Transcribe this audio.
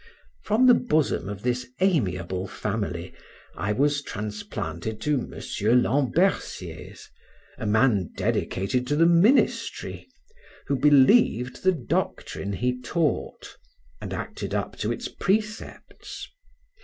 From the bosom of this amiable family I was transplanted to M. Lambercier's, a man dedicated to the ministry, who believed the doctrine he taught, and acted up to its precepts.